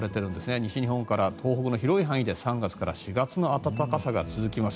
西日本から東北の広い範囲で３月から４月の暖かさが続きます。